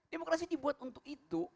demokrasi dibuat untuk itu